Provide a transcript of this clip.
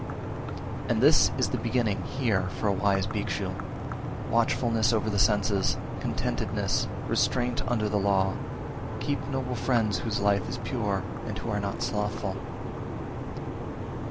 375. And this is the beginning here for a wise Bhikshu: watchfulness over the senses, contentedness, restraint under the law; keep noble friends whose life is pure, and who are not slothful.